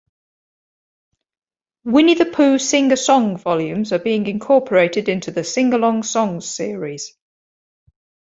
"Winnie-the-Pooh Sing a Song" volumes are being incorporated into the Sing Along Songs series.